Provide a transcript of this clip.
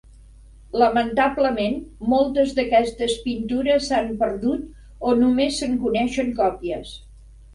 Lamentablement, moltes d"aquests pintures s"han perdut o només se"n coneixen còpies.